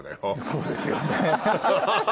そうですよね。